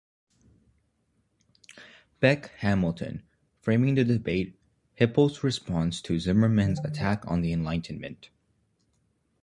Beck, Hamilton: "Framing the Debate: Hippel's Response to Zimmermann's Attack on the Enlightenment".